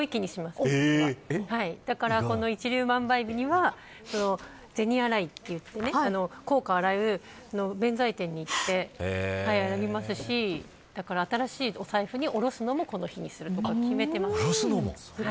だから、この一粒万倍日には銭洗いといって硬貨を洗う弁財天に行って新しいお財布におろすのもこの日にすると決めてます。